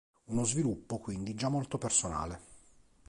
Uno sviluppo quindi già molto personale.